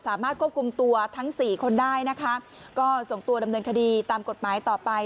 สามารถควบคุมตัวทั้งสี่คนได้นะคะก็ส่งตัวดำเนินคดีตามกฎหมายต่อไป